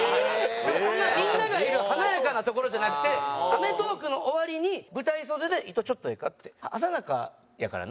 こんなみんながいる華やかな所じゃなくて『アメトーーク』の終わりに舞台袖で「伊藤ちょっといいか？」って「畠中やからな？